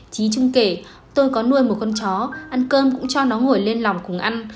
chí trung kể tôi có nuôi một con chó ăn cơm cũng cho nó ngồi lên lòng cùng ăn